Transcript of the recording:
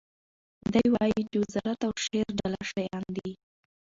دی وایي چې وزارت او شعر جلا شیان دي.